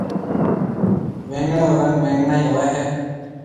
وينگڻ رو رنگ وينگڻائي هوئي هيَ۔